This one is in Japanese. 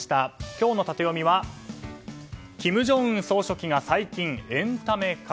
今日のタテヨミは金正恩総書記が最近、エンタメ化。